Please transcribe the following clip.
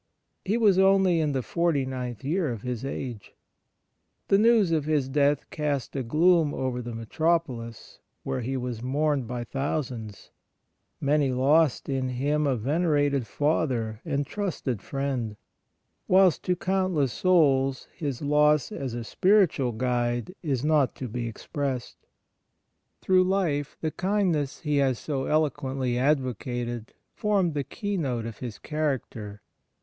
He was only in the forty ninth year of his age. ■ The news of his death cast a gloom over the Metropolis, where he w^as mourned by thousands. Many lost in him a venerated father and trusted friend, whilst to count less souls his loss as a spiritual guide is not to be expressed. Through life the kindness he has so eloquently advocated formed the keynote of his character.